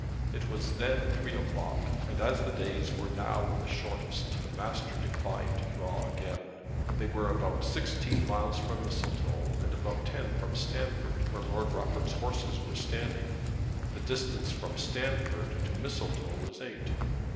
It was then three o'clock; and as the days were now at the shortest the master declined to draw again. They were then about sixteen miles from Mistletoe, and about ten from Stamford where Lord Rufford's horses were standing. The distance from Stamford to Mistletoe was eight.